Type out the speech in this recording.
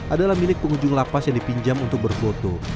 adalah milik pengunjung lapas yang dipinjam untuk berfoto